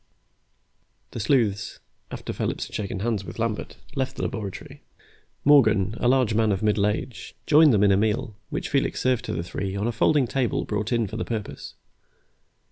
The sleuths, after Phillips had shaken hands with Lambert, left the laboratory. Morgan, a large man of middle age, joined them in a meal which Felix served to the three on a folding table brought in for the purpose.